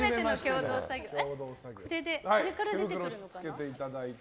これから出てくるのかな。